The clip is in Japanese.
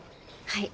はい。